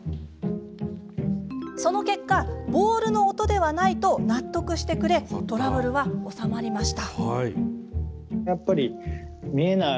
その結果ボールの音ではないと納得してくれトラブルは収まりました。